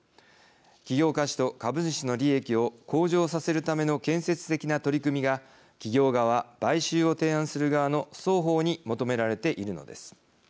企業価値と株主の利益を向上させるための建設的な取り組みが企業側、買収を提案する側の双方に求められているのです。